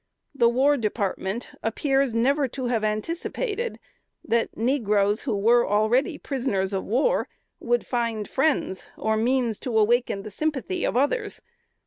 The War Department appears never to have anticipated that negroes, who were already prisoners of war, would find friends or means to awaken the sympathy of others.